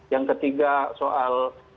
yang ketiga soal